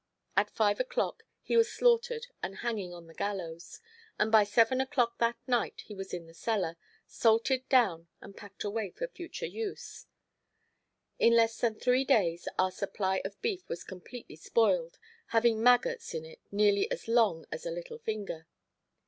At five o'clock he was slaughtered and hanging on the gallows, and by seven o'clock that night he was in the cellar, salted down and packed away for future use. In less than three days our supply of beef was completely spoiled, having maggots in it nearly as long as a little finger.